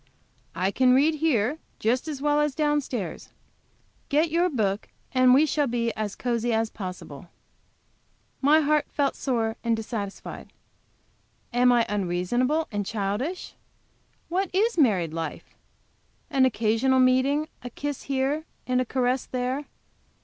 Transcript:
I can read here just as well as down stairs. Get your book and we shall be as cosy as possible." My heart felt sore and dissatisfied. Am I unreasonable and childish? What is married life? An occasional meeting, a kiss here and a caress there?